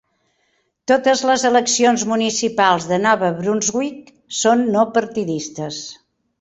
Totes les eleccions municipals de Nova Brunswick són no partidistes.